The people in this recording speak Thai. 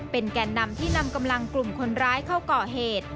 แก่นนำที่นำกำลังกลุ่มคนร้ายเข้าก่อเหตุ